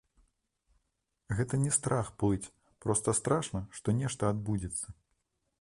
Гэта не страх плыць, проста страшна, што нешта адбудзецца.